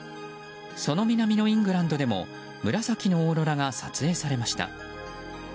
その南のイングランドでも紫のオーロラが撮影されました。